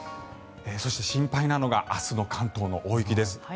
そして、心配なのが明日の関東の大雪です。